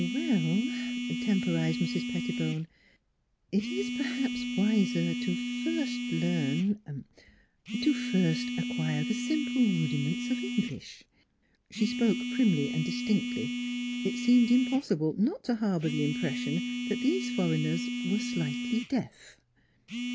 "" Well," temporized Mrs. Pettibone, " it is perhaps wiser to first learn to first acquire the simple rudiments of English." She spoke primly and distinctly. It seemed im possible not to harbor the impression that these foreigners were slightly deaf.